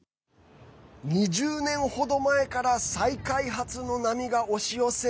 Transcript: ２０年程前から再開発の波が押し寄せ